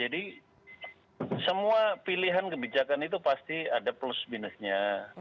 jadi semua pilihan kebijakan itu pasti ada plus minusnya